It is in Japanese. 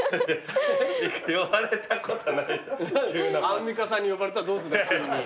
アンミカさんに呼ばれたらどうすんの急に。